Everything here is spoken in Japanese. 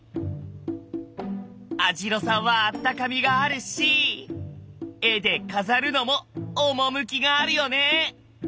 網代さんはあったかみがあるし絵で飾るのも趣があるよね。